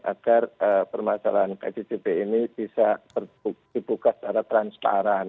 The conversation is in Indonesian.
agar permasalahan ktcp ini bisa dibuka secara transparan